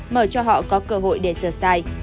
mở cho họ có cơ hội để sửa sai